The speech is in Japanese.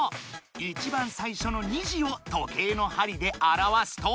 いちばんさいしょの２時を時計の針であらわすと。